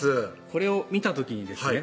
これを見た時にですね